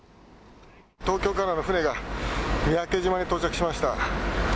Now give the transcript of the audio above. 東京からの船が三宅島に到着しました。